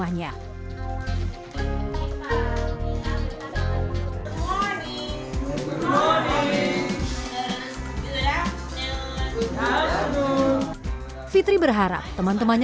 empat aukt sembilan tahun